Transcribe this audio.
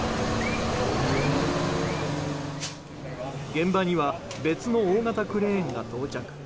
現場には別の大型クレーンが到着。